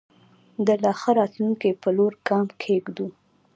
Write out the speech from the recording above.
د لا ښه راتلونکي په لوري ګام کېږدو.